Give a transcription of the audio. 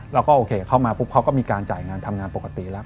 เราก็โอเคเข้ามาปุ๊บเขาก็มีการจ่ายงานทำงานปกติแล้ว